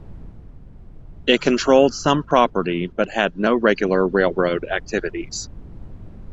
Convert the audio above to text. It controlled some property, but had no regular railroad activities.